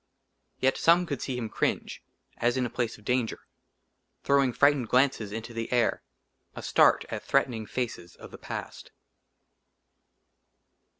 YET SOME COULD SEE HIM CRINGE, AS IN A PLACE OF DANGER, THROWING FRIGHTENED GLANCES INTO THE AIR, A START AT THREATENING FACES OF THE PAST.